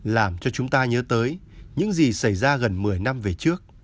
làm cho chúng ta nhớ tới những gì xảy ra gần một mươi năm về trước